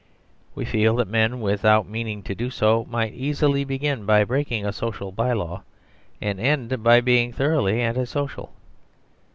We feel that men without meaning to do so might easily begin by breaking a social by law and end by being thoroughly anti social.